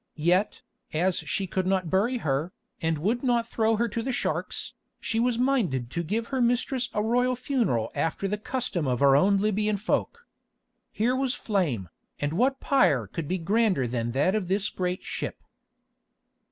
Yet, as she could not bury her, and would not throw her to the sharks, she was minded to give her mistress a royal funeral after the custom of her own Libyan folk. Here was flame, and what pyre could be grander than this great ship?